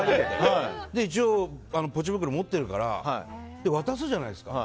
一応ポチ袋持っているから渡すじゃないですか。